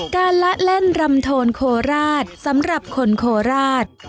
ละเล่นรำโทนโคราชสำหรับคนโคราช